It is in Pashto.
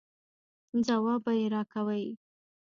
ځواب به یې راکوئ.